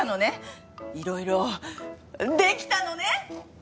いろいろできたのね！？